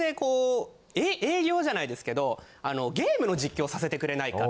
じゃないですけどゲームの実況をさせてくれないか。